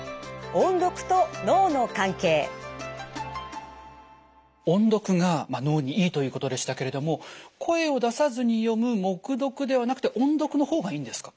音読が脳にいいということでしたけれども声を出さずに読む黙読ではなくて音読のほうがいいんですか？